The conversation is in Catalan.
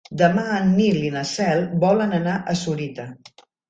Demà en Nil i na Cel volen anar a Sorita.